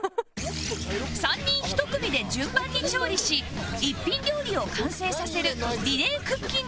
３人一組で順番に調理し一品料理を完成させるリレークッキング企画